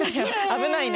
危ないね。